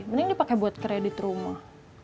mending dipakai buat kredit rumah